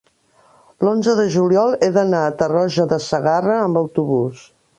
l'onze de juliol he d'anar a Tarroja de Segarra amb autobús.